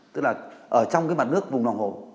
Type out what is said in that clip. tức là ở trong cái mặt nước vùng lòng hồ